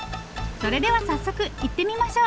それでは早速行ってみましょう。